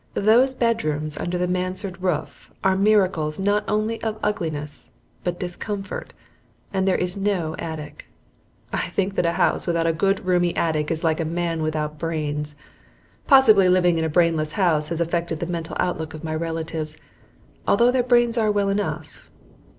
Those bedrooms under the mansard roof are miracles not only of ugliness, but discomfort, and there is no attic. I think that a house without a good roomy attic is like a man without brains. Possibly living in a brainless house has affected the mental outlook of my relatives, although their brains are well enough.